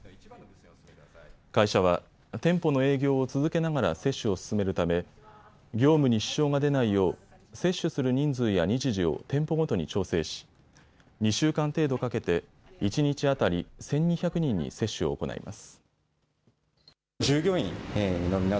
会社は店舗の営業を続けながら接種を進めるため業務に支障が出ないよう接種する人数や日時を店舗ごとに調整し２週間程度かけて一日当たり１２００人に接種を行います。